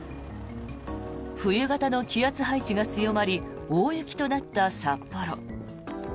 冬型の気圧配置が強まり大雪となった札幌。